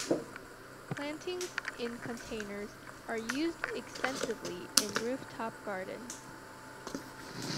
Plantings in containers are used extensively in roof top gardens.